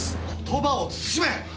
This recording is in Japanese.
言葉を慎め！